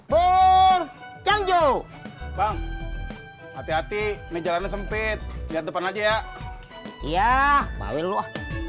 berjanjo bang hati hati menjalannya sempit lihat depan aja ya iya bawa